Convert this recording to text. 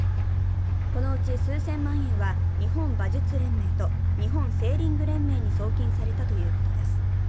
このうち数千万円は日本馬術連盟と日本セーリング連盟に送金されたということです。